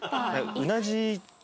うなじは。